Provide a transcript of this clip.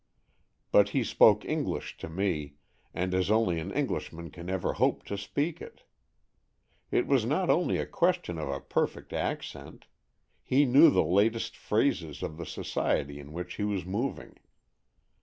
But he spoke Eng lish to me, and as only an Englishman can ever hope to speak it. It was not only a question of a perfect accent; he knew the latest phrases of the society in which he was moving.